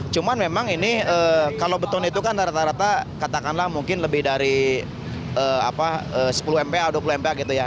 cuman memang ini kalau beton itu kan rata rata katakanlah mungkin lebih dari sepuluh mpa dua puluh mpak gitu ya